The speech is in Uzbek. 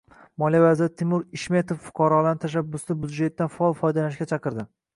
Moliya vaziri Timur Ishmetov fuqarolarni “Tashabbusli budjet”dan faol foydalanishga chaqirdi